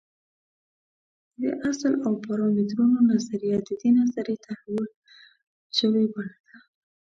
د اصل او پارامترونو نظریه د دې نظریې تحول شوې بڼه ده.